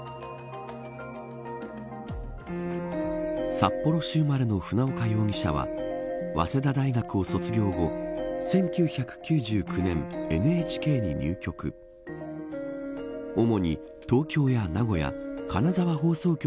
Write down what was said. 札幌市生まれの船岡容疑者は早稲田大学を卒業後、１９９９年ＮＨＫに入局。